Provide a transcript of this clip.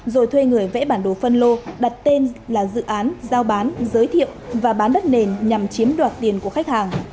rồi thuê người vẽ bản đồ phân lô đặt tên là dự án giao bán giới thiệu và bán đất nền nhằm chiếm đoạt tiền của khách hàng